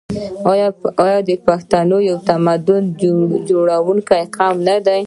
آیا پښتون یو تمدن جوړونکی قوم نه دی؟